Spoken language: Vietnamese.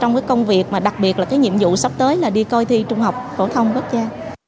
trong cái công việc mà đặc biệt là cái nhiệm vụ sắp tới là đi coi thi trung học phổ thông quốc gia